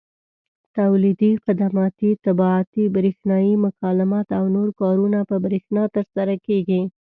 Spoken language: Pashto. تولیدي، خدماتي، طباعتي، برېښنایي مکالمات او نور کارونه په برېښنا ترسره کېږي.